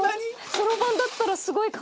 ・そろばんだったらすごい数。